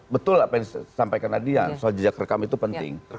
betul apa yang disampaikan adian soal jejak rekam itu penting